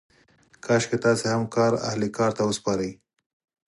کاشکې تاسې هم کار اهل کار ته وسپارئ.